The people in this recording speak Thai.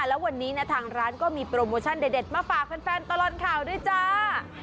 แล้ววันนี้นะทางร้านก็มีโปรโมชั่นเด็ดมาฝากแฟนตลอดข่าวด้วยจ้า